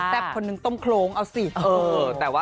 แล้วก็แซป